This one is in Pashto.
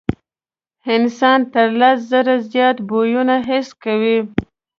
انسان تر لس زرو زیات بویونه حس کوي.